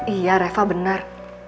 iya reva benar